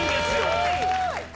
すごい